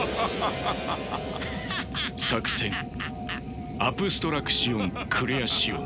作戦アプストラクシオン・クレアシオンだ。